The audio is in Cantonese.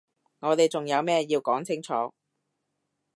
我哋仲有咩要講清楚？